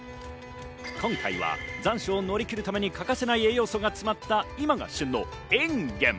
今回は残暑を乗り切るために欠かせない栄養素がつまった、今が旬のインゲン。